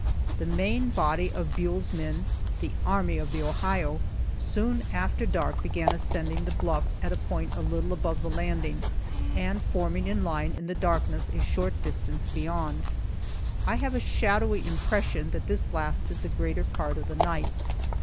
The main body of Buell's men, "the army of the Ohio," soon after dark began ascending the bluff at a point a little above the landing, and forming in line in the darkness a short distance beyond. I have a shadowy impression that this lasted the greater part of the night.